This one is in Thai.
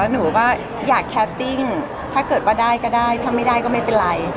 หนูก็อยากแคสติ้งถ้าเกิดว่าได้ก็ได้ถ้าไม่ได้ก็ไม่เป็นไร